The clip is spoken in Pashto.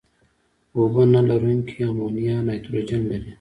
اوبه نه لرونکي امونیا نایتروجن لري.